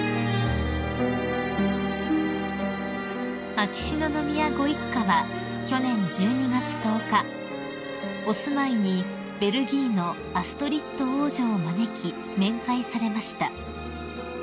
［秋篠宮ご一家は去年１２月１０日お住まいにベルギーのアストリッド王女を招き面会されました］